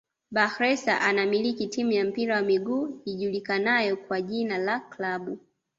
Bakhresa anamiliki timu ya mpira wa miguu ijulikanayo kwa jina la klabu